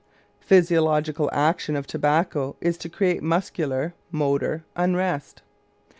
Physiological action of tobacco is to create muscular (motor) unrest.